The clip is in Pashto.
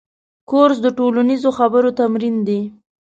کورس د ټولنیزو خبرو تمرین دی.